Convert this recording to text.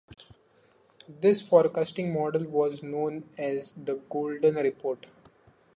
This forecasting model was known as "The Golden Report".